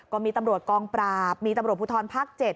ก็มีตำรวจกองปราบมีตำรวจภูทรภาค๗